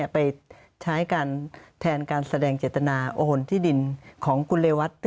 ไปใช้การแทนการแสดงจตนาโอโหลที่ดินของคุณจะวัตต์